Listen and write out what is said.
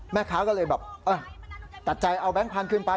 แม่ค้าก็เลยตัดจ่ายเอาแบงค์พันธุ์ขึ้นไป